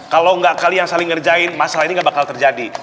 kalau nggak kalian saling ngerjain masalah ini nggak bakal terjadi